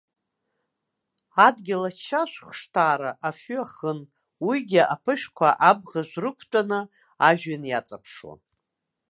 Адгьыл ачашәхәшҭаара афҩы ахын, уигьы аԥышәқәа абӷажә рықәтәаны ажәҩан иаҵаԥшуан.